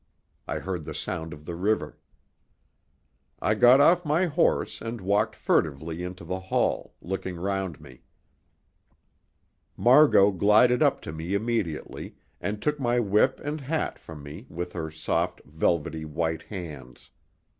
I heard the sound of the river. I got off my horse and walked furtively into the hall, looking round me. Margot glided up to me immediately, and took my whip and hat from me with her soft, velvety white hands.